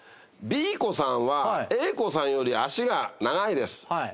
「Ｂ子さんはＡ子さんより足が長いです。